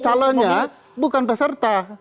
calonnya bukan peserta